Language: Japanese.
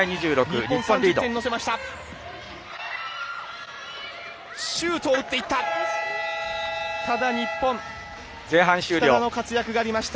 日本３０点乗せました。